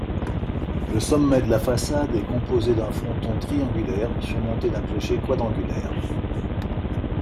Le sommet de la façade est composé d'un fronton triangulaire surmonté d'un clocher quadrangulaire.